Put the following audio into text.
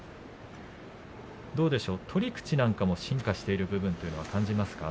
どうでしょう、取り口なども進化している部分を感じますか？